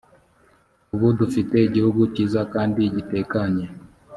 ubu dufite igihugu kiza kandi gitekanye